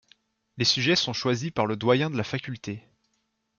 Les sujets sont choisis par le doyen de la faculté.